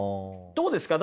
どうですか？